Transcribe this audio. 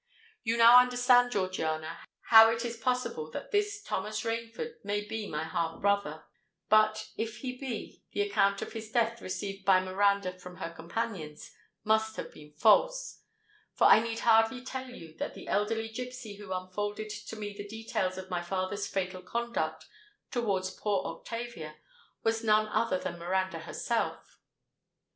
You now understand, Georgiana, how it is possible that this Thomas Rainford may be my half brother: but, if he be, the account of his death, received by Miranda from her companions, must have been false;—for I need hardly tell you that the elderly gipsy who unfolded to me the details of my father's fatal conduct towards poor Octavia, was none other than Miranda herself.